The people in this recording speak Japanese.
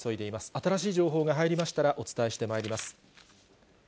新しい情報が入りましたら、お伝えしてまいります。